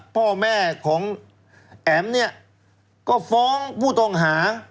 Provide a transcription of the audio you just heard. พ่อแม่ของแอ๋มเนี่ยก็ฟ้องผู้ต้องหา